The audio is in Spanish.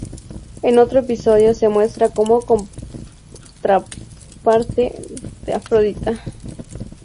En otro episodio se muestra como contraparte de Afrodita.